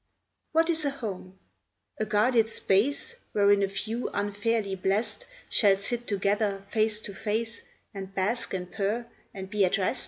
What is a home? A guarded space, Wherein a few, unfairly blest, Shall sit together, face to face, And bask and purr and be at rest?